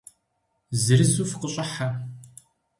Зырызу фыкъыщӏыхьэ.